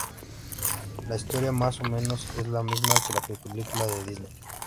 La historia más o menos es la misma que la película de Disney.